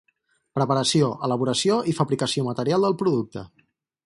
Preparació, elaboració i fabricació material del producte.